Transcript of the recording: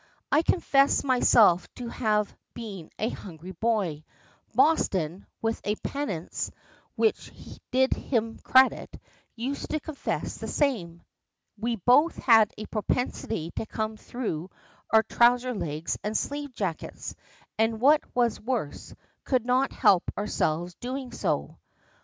I confess myself to have been a hungry boy, Boston, with a penitence which did him credit, used to confess the same: we both had a propensity to come through our trouser legs and sleeve jackets, and, what was worse, could not help ourselves doing so.